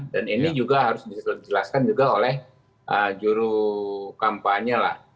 dan ini juga harus dijelaskan juga oleh juru kampanye lah